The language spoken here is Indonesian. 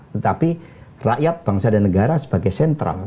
tetapi rakyat bangsa dan negara sebagai sentral